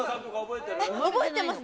覚えてます。